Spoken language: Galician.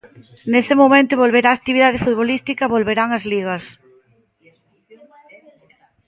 Nese momento volverá a actividade futbolística, volverán as ligas.